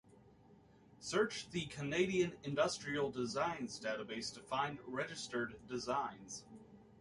Search the Canadian Industrial Designs Database to find registered designs.